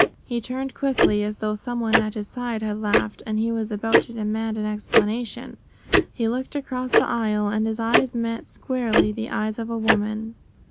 He turned quickly, as though some one at his side had laughed and he was about to demand an explanation. He looked across the aisle and his eyes met squarely the eyes of a woman.